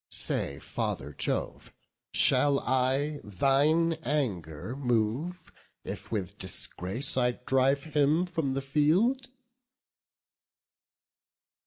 Say, Father Jove, shall I thine anger move, If with disgrace I drive him from the field?"